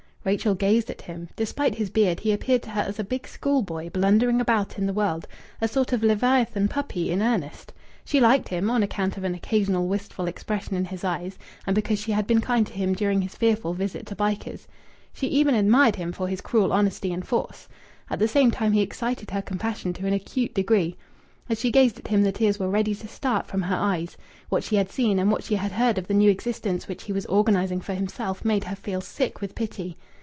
Rachel gazed at him. Despite his beard, he appeared to her as a big schoolboy, blundering about in the world, a sort of leviathan puppy in earnest. She liked him, on account of an occasional wistful expression in his eyes, and because she had been kind to him during his fearful visit to Bycars. She even admired him, for his cruel honesty and force. At the same time, he excited her compassion to an acute degree. As she gazed at him the tears were ready to start from her eyes. What she had seen, and what she had heard of the new existence which he was organizing for himself made her feel sick with pity.